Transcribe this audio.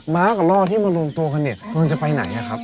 ม้ากับล่อที่มารวมโตขนิดมันจะไปไหนครับ